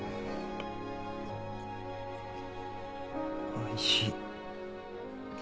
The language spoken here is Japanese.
おいしい。